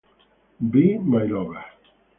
Be My Lover